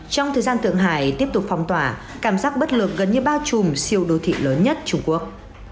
trong thời gian thượng hải tiếp tục phong tỏa cảm giác bất lược gần như bao trùm siêu đô thị lớn nhất trung quốc